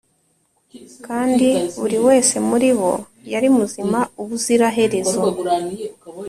kandi buri wese muri bo yari muzima ubuziraherezo